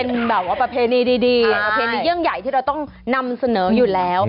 เป็นแบบว่าประเพณีดีประเพณีเรื่องใหญ่ที่เราต้องนำเสนออยู่แล้ว